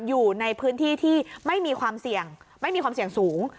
อยู่ในพื้นที่ที่ไม่มีความเสี่ยงไม่มีความเสี่ยงสูง